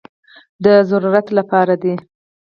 د ضرورت لپاره دي.